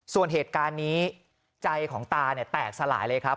ส่วนเหตุการณ์นี้ใจของตาเนี่ยแตกสลายเลยครับ